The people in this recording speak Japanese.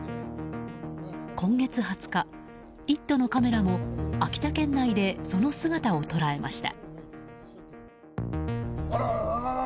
今月２０日「イット！」のカメラも秋田県内でその姿を捉えました。